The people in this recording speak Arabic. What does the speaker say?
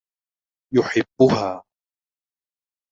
يحبها.